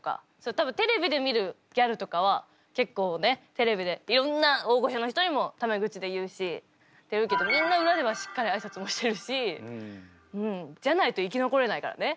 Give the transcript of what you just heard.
多分テレビで見るギャルとかは結構ねテレビでいろんな大御所の人にもタメ口で言うしって言うけどみんな裏ではしっかり挨拶もしてるしじゃないと生き残れないからね。